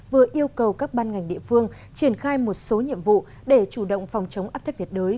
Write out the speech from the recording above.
vừa yêu cầu các ban ngành địa phương triển khai một số nhiệm vụ để chủ động phòng chống áp thấp nhiệt đới